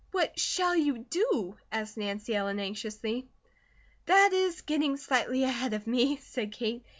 "What shall you do?" asked Nancy Ellen anxiously. "That is getting slightly ahead of me," said Kate.